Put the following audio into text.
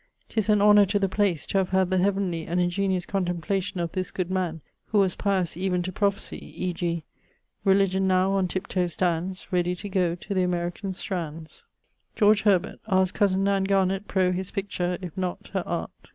'Tis an honour to the place, to have had the heavenly and ingeniose contemplation of this good man, who was pious even to prophesie; e.g. 'Religion now on tip toe stands, Ready to goe to the American strands.' George Herbert: cozen Nan Garnet pro picture; if not, her aunt